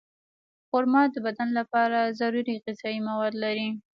خرما د بدن لپاره ضروري غذایي مواد لري.